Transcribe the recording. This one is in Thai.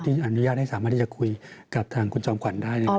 อนุญาตให้สามารถที่จะคุยกับทางคุณจอมขวัญได้